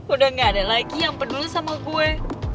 udah gak ada lagi yang peduli sama gue